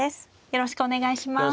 よろしくお願いします。